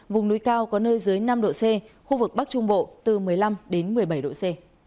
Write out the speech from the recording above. vùng núi cao có nơi dưới năm độ c khu vực bắc trung bộ từ một mươi năm đến một mươi bảy độ c